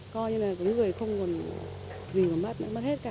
coi như là đứa người không còn gì mà mất mất hết cả